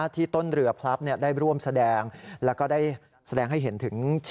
ที่ต้นเรือพรับได้ร่วมแสดง